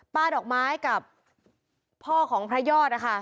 ดอกไม้กับพ่อของพระยอดนะคะ